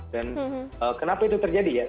dan kenapa itu terjadi ya